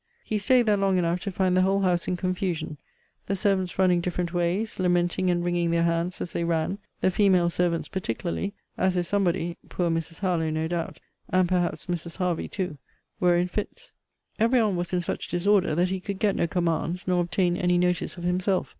He staid there long enough to find the whole house in confusion; the servants running different ways; lamenting and wringing their hands as they ran; the female servants particularly; as if somebody (poor Mrs. Harlowe, no doubt; and perhaps Mrs. Hervey too) were in fits. Every one was in such disorder, that he could get no commands, nor obtain any notice of himself.